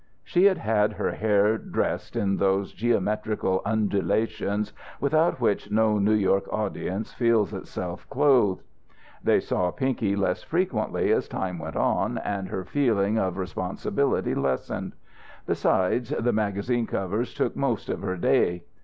She had had her hair dressed in those geometrical, undulations without which no New York audience feels itself clothed. They saw Pinky less frequently as time went on and her feeling or responsibility lessened. Besides, the magazine covers took most of her day.